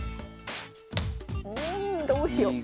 うんどうしよう。